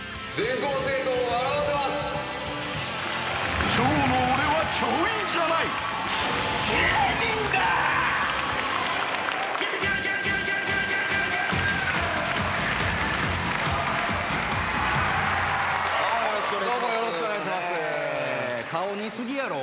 顔似すぎやろおい。